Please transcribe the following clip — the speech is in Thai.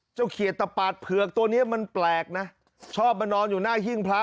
เขียดตะปาดเผือกตัวนี้มันแปลกนะชอบมานอนอยู่หน้าหิ้งพระ